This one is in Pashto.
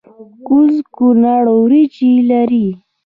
کوز کونړ وریجې لري؟